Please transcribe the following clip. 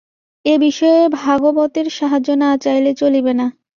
এ বিষয়ে ভাগবতের সাহায্য না লইলে চলিবে না।